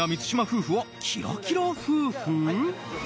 夫婦はキラキラ夫婦？